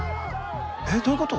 えっどういうこと？